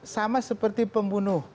sama seperti pembunuh